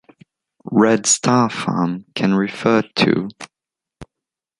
Red Star Farm, can refer to: